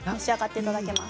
いただきます。